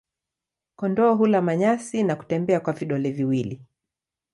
Kondoo hula manyasi na kutembea kwa vidole viwili.